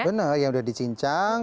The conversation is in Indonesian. benar yang udah dicincang